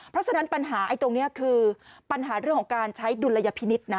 เพราะฉะนั้นปัญหาตรงนี้คือปัญหาเรื่องของการใช้ดุลยพินิษฐ์นะ